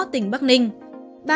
tỉnh bắc ninh